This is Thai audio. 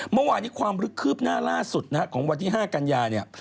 เมื่อวานนี้ความลึกคืบหน้าล่าสุดนะฮะของวันที่๕กันยาเนี่ย